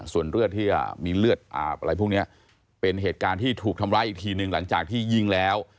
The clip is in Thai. ส่วนเลือดที่มีเลือดอาบอะไรพวกนี้เป็นเหตุการณ์ที่ถูกทำร้ายอีกทีหนึ่งหลังจากที่ยิงแล้ว